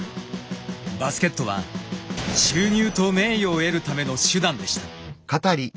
バスケットは収入と名誉を得るための手段でした。